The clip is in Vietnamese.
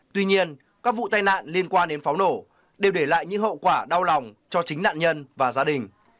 tuy nhiên các vụ tai nạn liên quan đến pháo nổ đều để lại những hậu quả đau lòng cho chính nạn nhân và gia đình